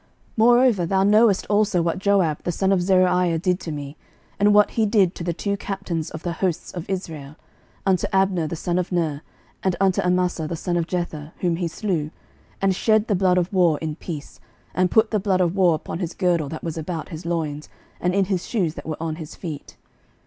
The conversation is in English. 11:002:005 Moreover thou knowest also what Joab the son of Zeruiah did to me, and what he did to the two captains of the hosts of Israel, unto Abner the son of Ner, and unto Amasa the son of Jether, whom he slew, and shed the blood of war in peace, and put the blood of war upon his girdle that was about his loins, and in his shoes that were on his feet.